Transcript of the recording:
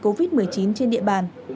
covid một mươi chín trên địa bàn